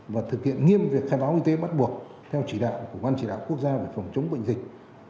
và thực hiện nghiêm việc khai báo y tế bắt buộc theo chỉ đạo của ban chỉ đạo quốc gia về phòng chống bệnh dịch